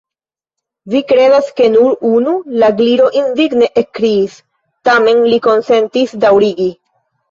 "Vi kredas ke nur unu?" la Gliro indigne ekkriis. Tamen li konsentis daŭrigi.